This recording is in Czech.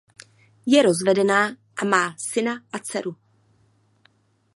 Je rozvedená a má syna a dceru.